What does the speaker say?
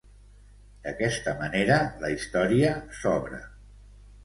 D'aquesta manera, la història s'obre.